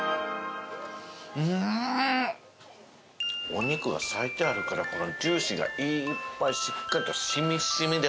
お肉が割いてあるからジューシーがいっぱいしっかりと染み染みです。